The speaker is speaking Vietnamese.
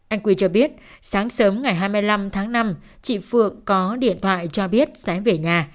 anh quy cho biết sáng sớm ngày hai mươi năm tháng năm chị phượng có điện thoại cho biết sẽ về nhà